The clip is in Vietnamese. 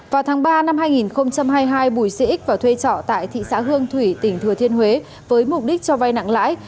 vào tháng ba năm hai nghìn hai mươi hai bùi sĩ x và thuê trọ tại thị xã hương thủy tỉnh thừa thiên huế với mục đích cho vay nặng lãi